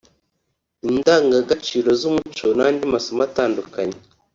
indangagaciro z’umuco n’andi masomo atandukanye